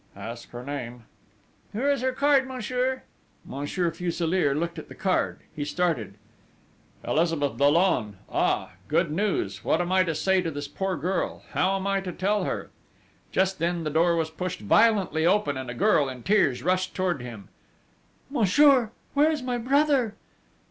"Ask her name." "Here is her card, monsieur." Monsieur Fuselier looked at the card: he started! "Elizabeth Dollon!... Ah ... Good Heavens, what am I to say to this poor girl? How am I to tell her?" Just then the door was pushed violently open, and a girl, in tears, rushed towards him: "Monsieur, where is my brother?"